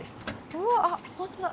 うわあ本当だ。